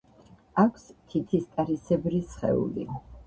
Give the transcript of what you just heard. აქვს თითისტარისებრი სხეული.